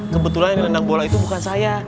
kebetulan yang nendang bola itu bukan saya